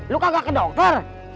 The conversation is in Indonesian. lu kagak ke dokter